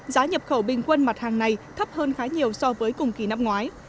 giá nhập khẩu bình quân mặt hàng này thấp hơn khá nhiều so với cùng kỳ năm ngoái